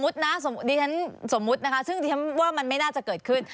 ดิฉันสมมุตินะคะซึ่งดิฉันว่ามันไม่น่าจะเกิดขึ้น